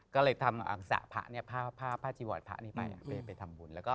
ก็เลยทำภาพจีโวทด์พระไปทำบุญ